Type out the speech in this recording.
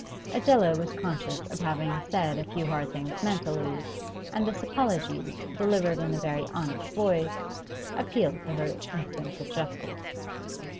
Adela was conscious of having said a few hard things mentally, and this apology, delivered in a very honest voice, appealed to her instinct of justice.